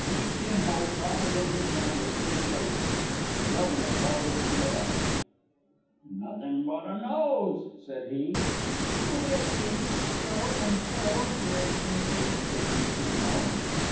Yi Chin Ho proffered in his hand a sheet of paper. The Governor held it to the light. "Nothing but a nose," said he. "A bit pinched, so, and so, Your Excellency," said Yi Chin Ho.